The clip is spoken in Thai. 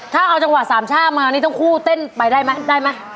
ถ้าเอาจังหวัดสามชาติมาอันนี้ต้องคู่เต้นไปได้ไหมได้ไหม